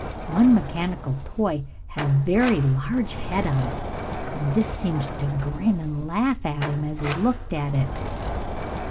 One mechanical toy had a very large head on it, and this seemed to grin and laugh at him as he looked at it.